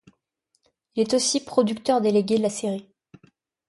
Il est aussi producteur délégué de la série.